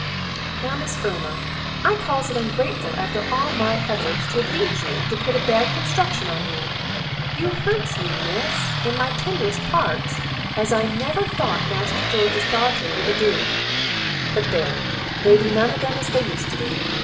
"Now, Miss Erma, I calls it ungrateful, after all my hefforts to obleege you, to put a bad construction upon me. You hurts me, miss, in my tenderest parts, as I never thought Master George's darter would 'a doed. But there, they be none of them as they used to be!